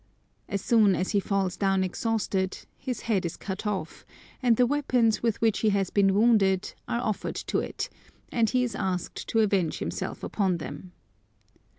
As soon as he falls down exhausted, his head is cut off, and the weapons with which he has been wounded are offered to it, and he is asked to avenge himself upon them.